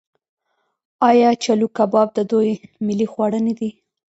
آیا چلو کباب د دوی ملي خواړه نه دي؟